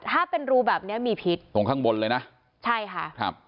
ถ้าเป็นรูแบบเนี้ยมีพิษตรงข้างบนเลยนะใช่ค่ะครับ